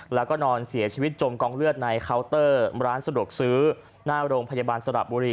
แล้วก็นอนเสียชีวิตจมกองเลือดในเคาน์เตอร์ร้านสะดวกซื้อหน้าโรงพยาบาลสระบุรี